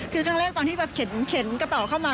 คือครั้งแรกตอนที่แบบเข็นกระเป๋าเข้ามา